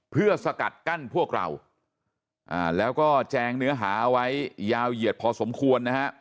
เพื่อสกัดกั้นพวกเราแล้วก็แจงเนื้อหาเอาไว้ยาวเหยียดพอสมควรนะฮะ